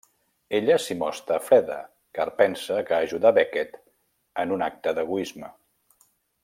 Ella s'hi mostra freda, car pensa que ajudà Beckett en un acte d'egoisme.